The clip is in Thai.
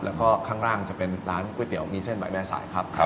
แล้วก็ข้างล่างจะเป็นร้านก๋วยเตี๋ยวมีเส้นใบแม่สายครับ